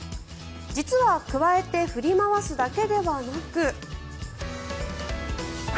実は、くわえて振り回すだけではなく。